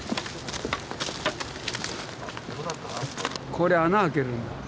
氷に穴開けるんだ。